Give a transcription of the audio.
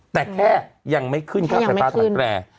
แต่แค่ยังไม่ขึ้นค่าไฟฟ้าฐานแปร